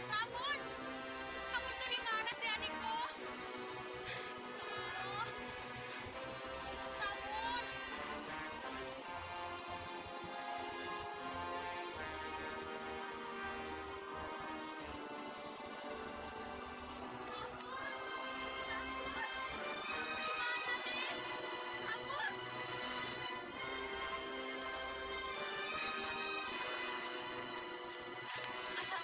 assalamualaikum pak alang